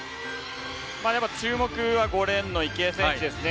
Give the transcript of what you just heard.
やはり注目は５レーンの池江選手ですね。